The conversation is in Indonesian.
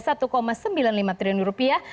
dan lima triliun rupiah